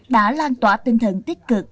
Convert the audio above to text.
đã lan tỏa tinh thần tích cực